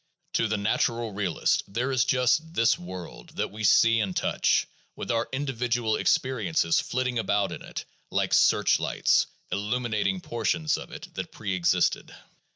To the natural realist there is just this world that we see and touch, with our individual experiences flitting about in it like search lights, illuminating portions of it that preexisted.